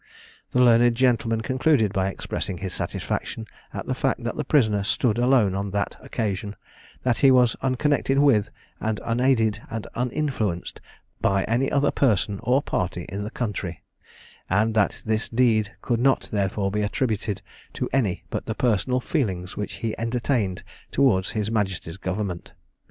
The learned gentleman concluded by expressing his satisfaction at the fact that the prisoner stood alone on that occasion; that he was unconnected with, and unaided and uninfluenced by any other person or party in the country, and that this deed could not therefore be attributed to any but the personal feelings which he entertained towards his majesty's government.